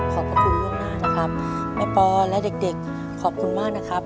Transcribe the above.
ขอบคุณอย่างนั้นนะครับแม่ปอล์และเด็กขอบคุณมากนะครับ